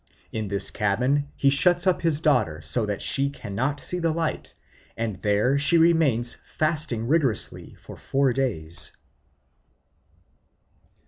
In this cabin he shuts up his daughter so that she cannot see the light, and there she remains fasting rigorously for four days.